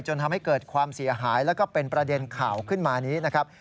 จนทำให้เกิดความเสียหายแล้วก็เป็นประเด็นข่าวขึ้นมานี้นะครับ